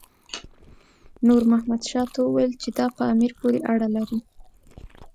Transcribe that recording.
نور محمد شاه ته وویل چې دا په امیر پورې اړه لري.